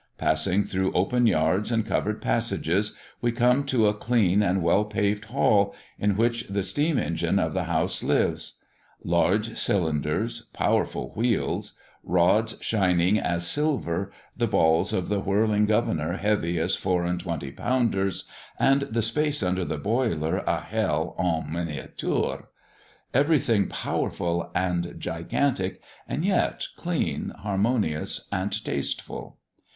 Passing through open yards and covered passages, we come to a clean and well paved hall, in which the steam engine of the house lives. Large cylinders, powerful wheels, rods shining as silver, the balls of the whirling governor heavy as four and twenty pounders, and the space under the boiler a hell en miniature. Everything powerful and gigantic, and yet clean, harmonious, and tasteful.